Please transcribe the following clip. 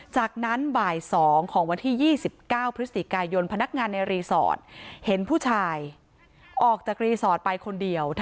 จากนั้นบ่าย๒ของวันที่๒๙พฤศจิกายนพนักงานในรีสอร์ทเห็นผู้ชายออกจากรีสอร์ทไปคนเดียว